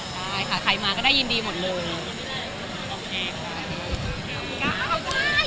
ใช่ค่ะใครมาก็ได้ยินดีหมดเลย